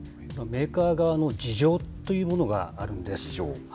メーカー側の事情というものがあるんです。